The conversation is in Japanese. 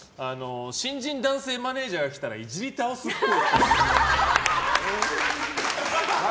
新人男性マネジャーが来たらイジり倒すっぽい。